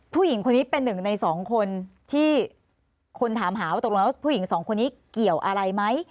ผู้หญิงคนนี้เป็นหนึ่งในสองคนที่คนถามหาว่าตกลงแล้วผู้หญิงสองคนนี้เกี่ยวอะไรไหม